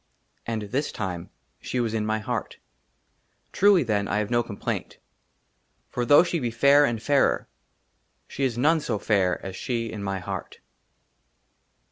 AND THIS TIME SHE WAS IN MY HEART. TRULY, THEN, I HAVE NO COMPLAINT, FOR THOUGH SHE BE FAIR AND FAIRER, SHE IS NONE SO FAIR AS SHE IN MY HEART.